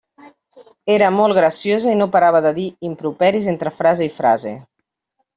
Era molt graciosa i no parava de dir improperis entre frase i frase.